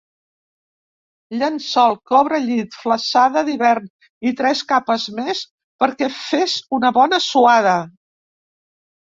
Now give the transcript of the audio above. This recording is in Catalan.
Llençol, cobrellit, flassada d'hivern i tres capes més perquè fes una bona suada.